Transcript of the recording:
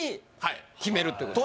決めるってこと